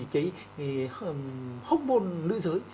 cái hốc môn nơi giới